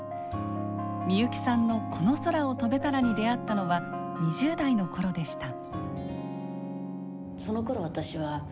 みゆきさんの「この空を飛べたら」に出会ったのは２０代の頃でした。